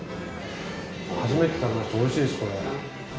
初めて食べました美味しいですこれ。